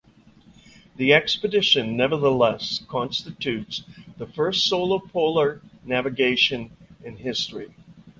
The expedition nevertheless constitutes the first solar polar navigation in history.